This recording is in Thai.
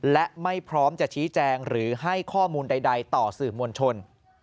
และไม่พร้อมจะชี้แจงหรือให้ข้อมูลใดต่อสื่อมวลชน